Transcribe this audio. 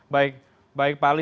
baik pak ali